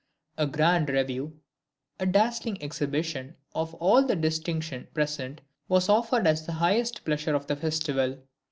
A grand review, a dazzling exhibition of all the distinction present, was offered as the highest pleasure of the festival.